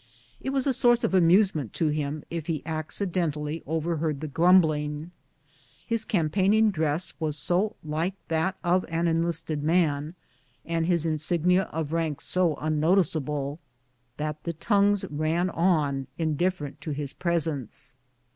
It was a source of amusement to him if he acciden tally overheard the grumbling. His campaigning dress was so like that of an enlisted man, and his insignia of rank so unnoticeable, that the tongues ran on, indiffer ent to his presence.